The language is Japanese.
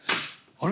あれ？